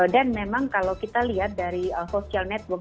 dan memang kalau kita lihat dari sosial network